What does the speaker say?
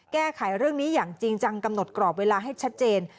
แก้ไขเรื่องนี้อย่างจริงจังกำหนดกรอบเวลาให้ชัดเจน